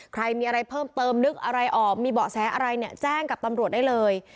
ใครมีอะไรเพิ่มเติมนึกอะไรออกมีเบาะแสอะไรเนี่ยแจ้งกับตำรวจได้เลย